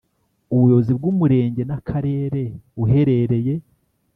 Ubuyobozi bw Umurenge n Akarere uherereye